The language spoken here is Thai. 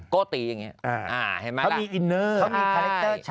โกติอย่างเงี้ยเขามีอินเนอร์